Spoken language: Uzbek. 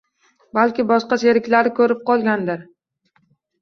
Balki boshqa sheriklari ko’rib qolgandir.